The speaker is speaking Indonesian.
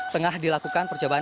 tengah dilakukan percobaan